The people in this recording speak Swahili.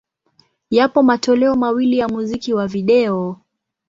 Yapo matoleo mawili ya muziki wa video.